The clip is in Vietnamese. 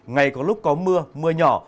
ngày có lúc có mưa mưa nhỏ